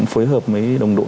phối hợp với đồng đội